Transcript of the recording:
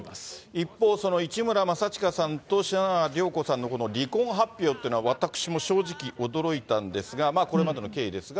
一方、市村正親さんと篠原涼子さんの離婚発表っていうのは、私も正直、驚いたんですが、これまでの経緯ですが。